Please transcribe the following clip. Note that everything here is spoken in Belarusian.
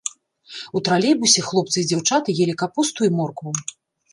У тралейбусе хлопцы і дзяўчаты елі капусту і моркву.